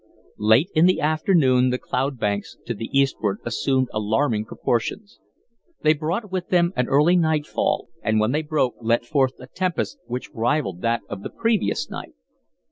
Late in the afternoon the cloud banks to the eastward assumed alarming proportions. They brought with them an early nightfall, and when they broke let forth a tempest which rivalled that of the previous night.